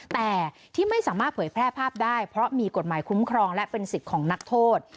แต่ที่ไม่สามารถเผยแพร่ภาพได้เพราะมีกฎหมายคุ้มครองและเป็นสิทธิ์ของนักโทษ